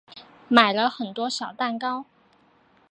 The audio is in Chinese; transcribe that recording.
买了很多小蛋糕